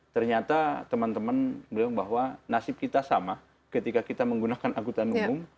ternyata teman teman bilang bahwa nasib kita sama ketika kita menggunakan angkutan umum